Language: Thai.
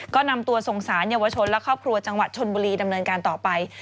ก็นำตัวส่งสารเยาวชนและครอบครัวจังหวัดชนบุรีดำเนินการต่อไป